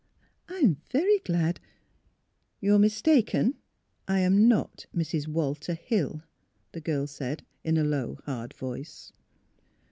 I am very glad "" You are mistaken. I am not Mrs. Walter Hill," the girl said, in a low, hard voice.